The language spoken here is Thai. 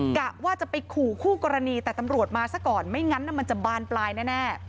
กะว่าจะไปขู่คู่กรณีแต่ตำรวจมาซะก่อนไม่งั้นมันจะบานปลายแน่